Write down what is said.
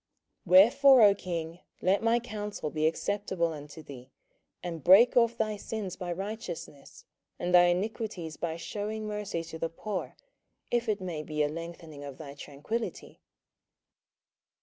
27:004:027 Wherefore, O king, let my counsel be acceptable unto thee, and break off thy sins by righteousness, and thine iniquities by shewing mercy to the poor; if it may be a lengthening of thy tranquillity.